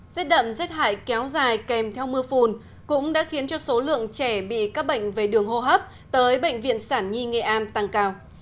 rết đậm rét hại kéo dài kèm theo mưa phùn cũng đã khiến cho số lượng trẻ bị các bệnh về đường hô hấp tới bệnh viện sản nhi nghệ an tăng cao